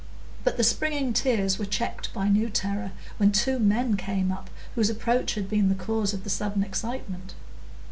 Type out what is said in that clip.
But the springing tears were checked by new terror, when two men came up, whose approach had been the cause of the sudden excitement.